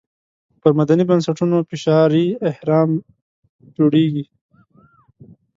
پر مدني بنسټونو فشاري اهرم جوړېږي.